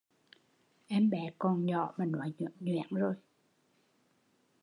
Em bé còn nhỏ mà nói nhoẻn nhoẻn rồi